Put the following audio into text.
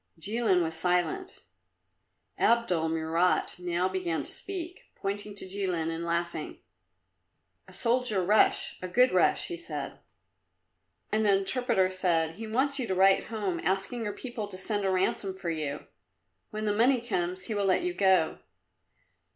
Jilin was silent. Abdul Murat now began to speak, pointing at Jilin and laughing. "A soldier Russ, a good Russ," he said. And the interpreter said, "He wants you to write home asking your people to send a ransom for you. When the money comes, he will let you go."